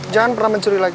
jangan pernah mencuri lagi